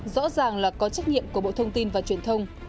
rõ ràng là có trách nhiệm của bộ thông tin và truyền thông